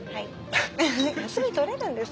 フフ休み取れるんですか？